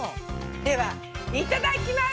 ではいただきます。